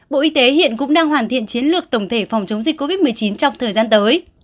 bộ y tế hiện cũng đang hoàn thiện chiến lược tổng thể phòng chống dịch covid một mươi chín trong thời gian tới